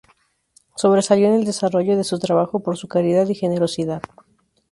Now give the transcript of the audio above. Sobresalió en el desarrollo de su trabajo por su caridad y generosidad.